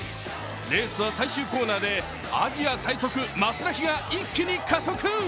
レースは最終コーナーでアジア最速・マスラヒが一気に加速。